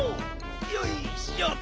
よいしょ。